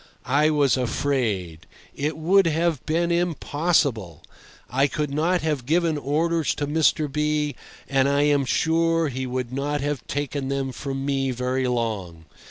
I was afraid. It would have been impossible. I could not have given orders to Mr. B—, and I am sure he would not have taken them from me very long.